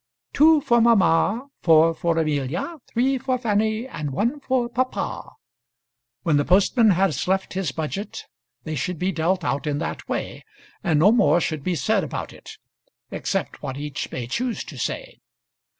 "Two for mamma, four for Amelia, three for Fanny, and one for papa." When the postman has left his budget they should be dealt out in that way, and no more should be said about it, except what each may choose to say.